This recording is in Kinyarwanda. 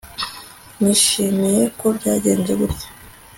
nishimiye ko byagenze gutya